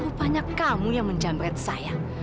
rupanya kamu yang menjamret saya